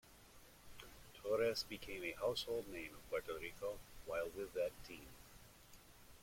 Torres became a household name in Puerto Rico while with that team.